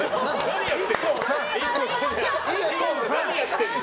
何やってるの？